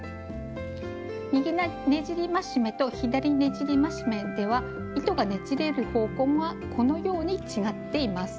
「右ねじり増し目」と「左ねじり増し目」では糸がねじれる方向がこのように違っています。